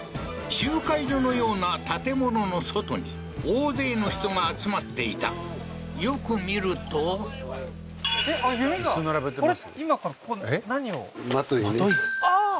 集会所のような建物の外に大勢の人が集まっていたよく見るとあれ弓があれ？